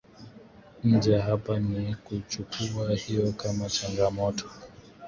nje hapa ni kuichukuwa hiyo kama changamoto